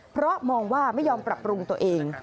เพราะมองว่าไม่ยอมปรับปรุงตัวเอง